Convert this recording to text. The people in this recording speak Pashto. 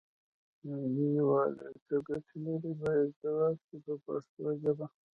ملي یووالی څه ګټې لري باید ځواب شي په پښتو ژبه.